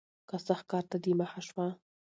که سخت کار ته دې مخه شوه